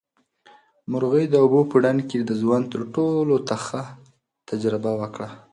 مرغۍ د اوبو په ډنډ کې د ژوند تر ټولو تخه تجربه وکړه.